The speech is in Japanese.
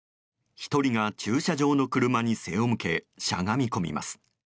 １人が駐車場の車に背を向けしゃがみ込みます。